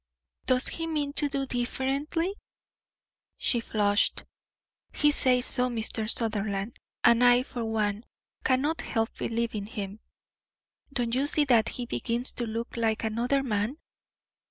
"Does he mean to do differently?" She flushed. "He says so, Mr. Sutherland. And I, for one, cannot help believing him. Don't you see that he begins to look like another man?"